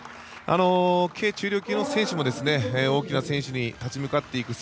軽中量級の選手も大きな選手に立ち向かっていく姿